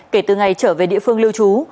kể từ ngày trở về địa phương lưu trú